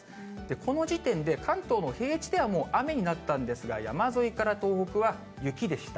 この時点で、関東の平地ではもう雨になったんですが、山沿いから東北は雪でした。